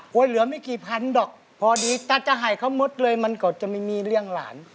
เหลือไม่กี่พันหรอกพอดีถ้าจะให้เขาหมดเลยมันก็จะไม่มีเรื่องหลาน